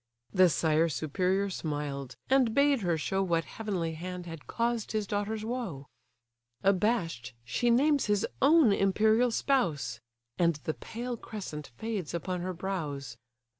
The sire superior smiled, and bade her show What heavenly hand had caused his daughter's woe? Abash'd, she names his own imperial spouse; And the pale crescent fades upon her brows.